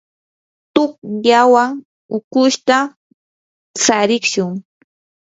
tuqllawan ukushuta tsarishun.